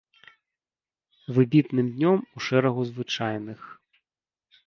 Выбітным днём у шэрагу звычайных.